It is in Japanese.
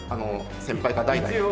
先輩が代々。